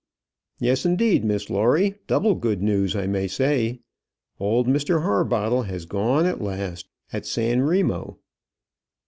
"Yes, indeed, Miss Lawrie; double good news, I may say. Old Mr Harbottle has gone at last at San Remo."